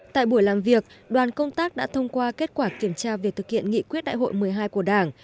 tại buổi làm việc đoàn công tác đã thông qua kết quả kiểm tra việc thực hiện nghị quyết đại hội một mươi hai của đảng